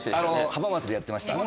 浜松でやってました。